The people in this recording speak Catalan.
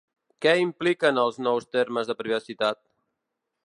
Què impliquen els nous termes de privacitat?